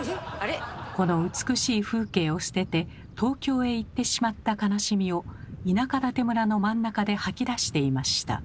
この美しい風景を捨てて東京へ行ってしまった悲しみを田舎館村の真ん中で吐き出していました。